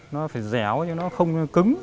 nó phải dẻo chứ nó không cứng